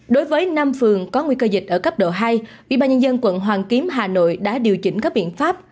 đối với năm phường có nguy cơ dịch ở cấp độ hai vị ba nhân dân quận hoàng kiếm hà nội đã điều chỉnh các biện pháp